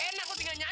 siapa tuh ya